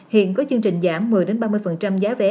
hiện có chương trình giảm một mươi ba mươi giá vé